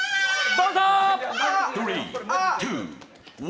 どうぞ。